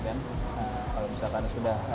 kalau misalkan sudah